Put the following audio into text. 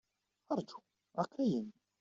Rǧu! Aql-i-in!